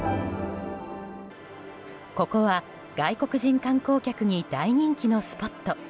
ここは、外国人観光客に大人気のスポット。